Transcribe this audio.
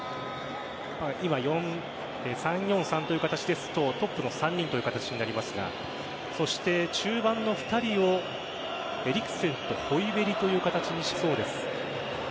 今、３ー４ー３という形ですとトップが３人という形になりますが中盤の２人をエリクセンとホイビェリという形にしそうです。